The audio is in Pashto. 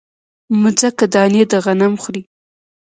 مځکه دانې د غنم خوري